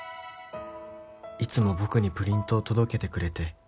「いつも僕にプリントを届けてくれて」